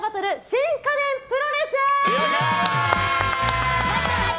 新家電プロレス。